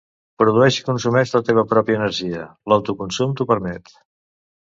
Produeix i consumeix la teva pròpia energia, l'autoconsum t'ho permet!